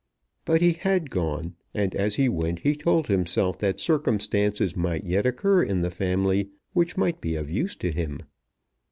But he had gone, and as he went he told himself that circumstances might yet occur in the family which might be of use to him.